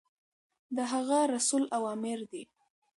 د هغه رسول اوامر دي.